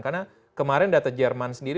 karena kemarin data jerman sendiri